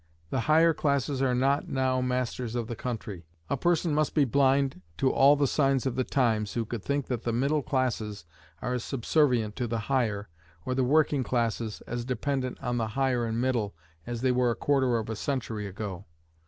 The higher classes are not now masters of the country. A person must be blind to all the signs of the times who could think that the middle classes are as subservient to the higher, or the working classes as dependent on the higher and middle, as they were a quarter of a century ago.